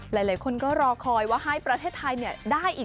หลายคนก็รอคอยว่าให้ประเทศไทยได้อีก